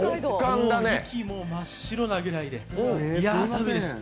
息も真っ白なぐらいで、いや寒いです。